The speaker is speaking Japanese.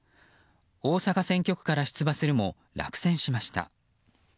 大阪選挙区から出馬するも落選しました。